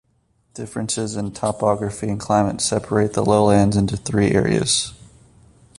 Differences in topography and climate separate the lowlands into three areas.